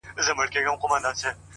لمر هم کمزوری ښکاري دلته تل,